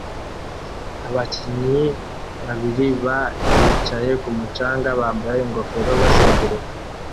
Abakinnyi babiri ba yicaye kumu canga bambaye ingofero bazenguruka